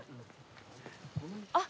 あっ！